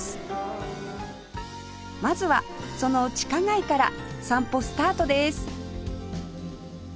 まずはその地下街から散歩スタートです